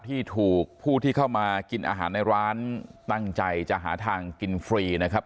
ที่ถูกผู้ที่เข้ามากินอาหารในร้านตั้งใจจะหาทางกินฟรีนะครับ